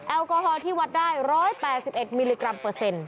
แอลกอฮอลที่วัดได้๑๘๑มิลลิกรัมเปอร์เซ็นต์